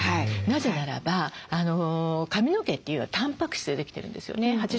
なぜならば髪の毛というのはたんぱく質でできてるんですよね。